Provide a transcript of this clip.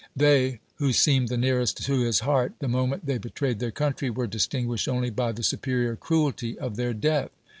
They who seemed the nearest to his heart, the moment they bc'trayed their country we' ;; distinguishixl only by the superior cruelty of their death.